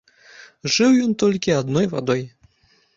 Жыў ён толькі адной вадой.